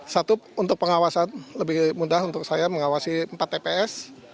satu untuk pengawasan lebih mudah untuk saya mengawasi empat tps